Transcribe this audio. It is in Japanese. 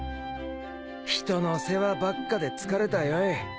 人の世話ばっかで疲れたよい。